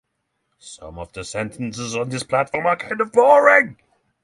Some of the sentences on this platform are kind of boring.